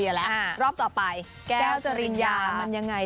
อีกรอบต่อไปแก้วจริงญาหรือมันยังไง